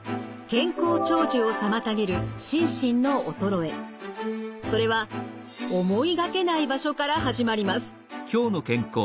健康長寿を妨げるそれは思いがけない場所から始まります。